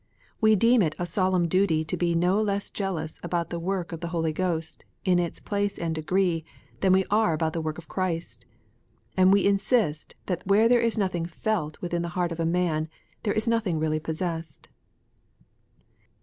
We deem it a solemn duty to be no less jealous about the work of the Holy Ghost, in its place and degree, than we are about the work of Christ. And we insist that where there is nothing felt within the heart of a man, there is nothing really possessed.